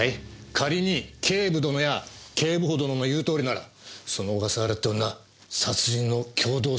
仮に警部殿や警部補殿の言うとおりならその小笠原っていう女殺人の共同正犯ですよね？